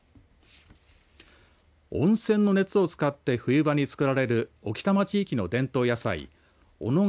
温泉の熱を使って冬場に作られる置賜地域の伝統野菜小野川